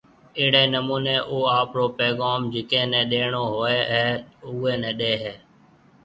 اهڙيَ نمونيَ او آپرو پيغوم جڪي ني ڏيڻو هوئيَ هيَ اوئيَ نيَ ڏيَ هيَ